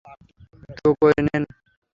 তো করে নেন।